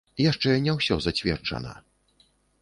Яшчэ не ўсё зацверджана.